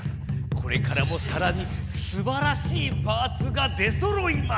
これからもさらにすばらしいパーツが出そろいます！